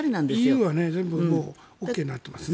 ＥＵは全部ＯＫになってますね。